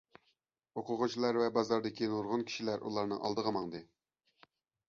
ئوقۇغۇچىلار ۋە بازاردىكى نۇرغۇن كىشىلەر ئۇلارنىڭ ئالدىغا ماڭدى.